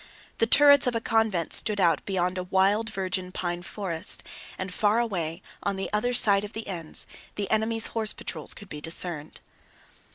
The turrets of a convent stood out beyond a wild virgin pine forest, and far away on the other side of the Enns the enemy's horse patrols could be discerned.